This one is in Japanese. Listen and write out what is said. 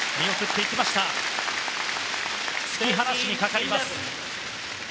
突き放しにかかります。